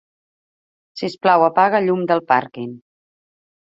Si us plau, apaga el llum del pàrquing.